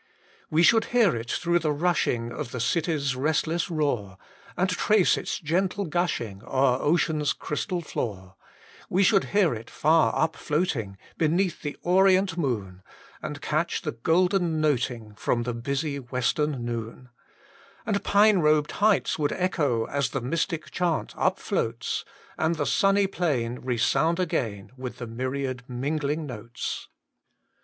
We should hear it through the rushing Of the city s restless roar, And trace its gentle gushing O er ocean s crystal floor : We should hear it far up floating Beneath the Orient moon, And catch the golden noting From the busy Western noon ; And pine robed heights would echo As the mystic chant up floats, And the sunny plain Resound again With the myriad mingling notes.